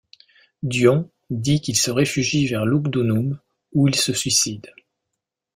Dion dit qu’il se réfugie vers Lugdunum où il se suicide.